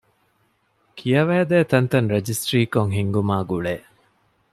ކިޔަވައިދޭ ތަންތަން ރަޖިސްޓްރީ ކޮށް ހިންގުމާ ގުޅޭ